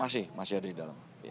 masih masih ada di dalam